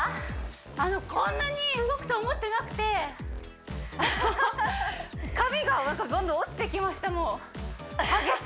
あのこんなに動くと思ってなくてあの髪がなんかどんどん落ちてきました